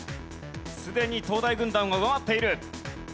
すでに東大軍団は上回っている。